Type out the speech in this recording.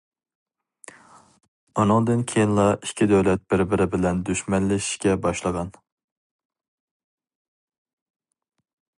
ئۇنىڭدىن كېيىنلا ئىككى دۆلەت بىر بىرى بىلەن دۈشمەنلىشىشكە باشلىغان.